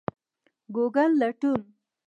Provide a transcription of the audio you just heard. ګوګل لټون